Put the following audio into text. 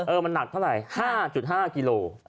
เออมันหนักเท่าไหร่๕๕กิโลกรัม